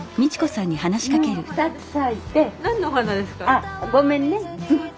あっごめんね。